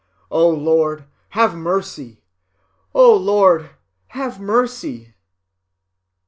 O Lord, have mercy! O Lord, have mercy!